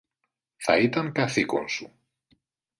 Θα ήταν καθήκον σου